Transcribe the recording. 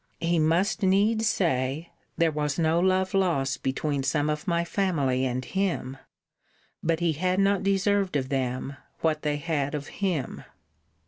He must needs say, there was no love lost between some of my family and him; but he had not deserved of them what they had of him.